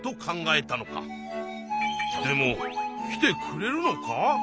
でも来てくれるのか？